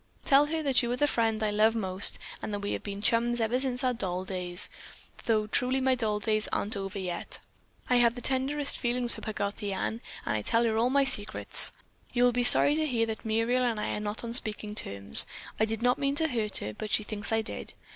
Tell her that you are the friend I love most and that we have been chums ever since our doll days, though truly my doll days aren't over yet. I have the tenderest feeling for Peggoty Anne and I tell her all my secrets. "You will be sorry to hear that Muriel and I are not on speaking terms. I did not mean to hurt her, but she thinks I did.